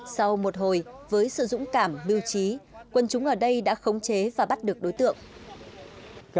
sau một hồi với sự dũng cảm mưu trí quân chúng ở đây đã khống chế và bắt được đối tượng